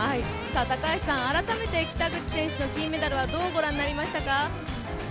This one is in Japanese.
高橋さん、改めて北口さんの金メダルはどうご覧になりましたか？